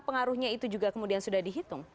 pengaruhnya itu juga kemudian sudah dihitung